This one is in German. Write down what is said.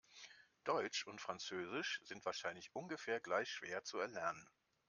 Deutsch und Französisch sind wahrscheinlich ungefähr gleich schwer zu erlernen.